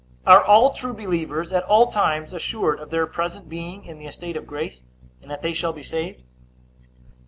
Are all true believers at all times assured of their present being in the estate of grace, and that they shall be saved?